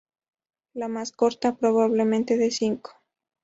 La más corta, probablemente de cinco.